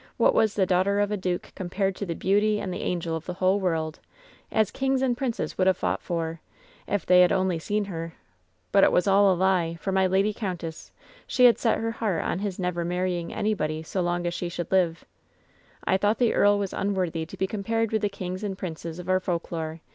What was the daughter of a duke compared to the beauty and the ungel of the whole world, as kings and princes would ta' fought for, if they had only seen her ? But it was all a lie, for my lady countess, she had set her heart on his never marrying anybody so long as she should live. "I thought the earl was unworthy to be compared with the kings and princes of our folk lore.